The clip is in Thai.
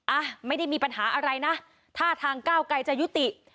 อ่ะไม่ได้มีปัญหาอะไรนะท่าทางก้าวไกรจะยุติ